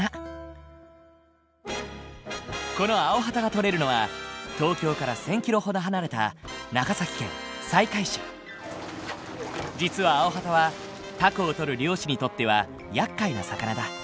このアオハタが取れるのは東京から１，０００キロほど離れた実はアオハタはタコをとる漁師にとってはやっかいな魚だ。